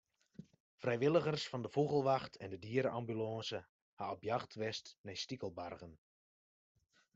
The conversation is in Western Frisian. Frijwilligers fan de Fûgelwacht en de diere-ambulânse hawwe op jacht west nei stikelbargen.